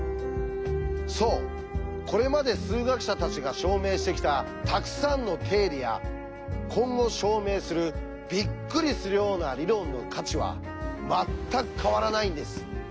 そうこれまで数学者たちが証明してきたたくさんの定理や今後証明するびっくりするような理論の価値は全く変わらないんです。